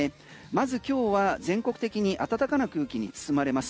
まず今日は全国的に暖かな空気に包まれます。